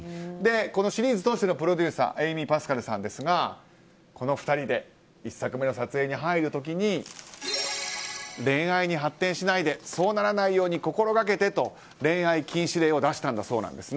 このシリーズ通してのプロデューサーエイミー・パスカルさんですがこの２人で１作目の撮影に入る時に恋愛に発展しないでそうならないように心がけてと、恋愛禁止令を出したんだそうです。